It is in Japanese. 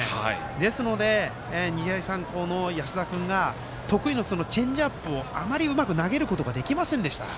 ですので、日大三高の安田君が得意のチェンジアップをあまりうまく投げることができませんでした。